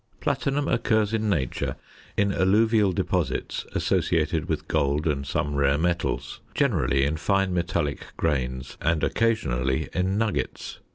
Platinum occurs in nature in alluvial deposits associated with gold and some rare metals, generally in fine metallic grains, and, occasionally, in nuggets.